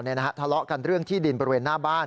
ทะเลาะกันเรื่องที่ดินบริเวณหน้าบ้าน